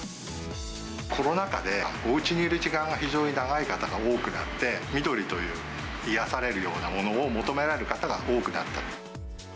コロナ禍でおうちにいる時間が非常に長い方が多くなって、緑という癒やされるようなものを求められる方が多くなった。